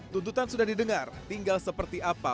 tuntutan sudah didengar tinggal seperti apa